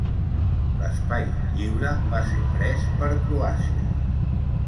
L'espai lliure va ser pres per Croàcia.